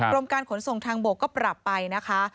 กรมการขนส่งทางบกก็ปรับไปนะคะ